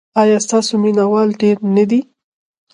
ایا ستاسو مینه وال ډیر نه دي؟